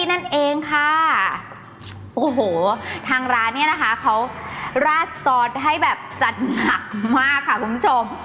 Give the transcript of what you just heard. นั่นเองค่ะโอ้โหทางร้านเนี่ยนะคะเขาราดซอสให้แบบจัดหนักมากค่ะคุณผู้ชม